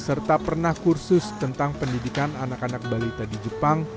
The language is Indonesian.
serta pernah kursus tentang pendidikan anak anak balita di jepang